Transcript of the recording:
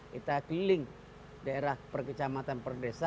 kita keliling daerah perkecamatan per desa